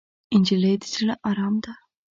نجلۍ د زړه ارام ده.